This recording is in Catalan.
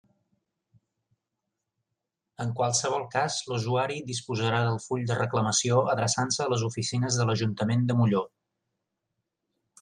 En qualsevol cas l'usuari disposarà del full de reclamació adreçant-se a les oficines de l'Ajuntament de Molló.